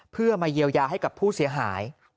เพื่อมาเยียวยาให้กับผู้เสียหาย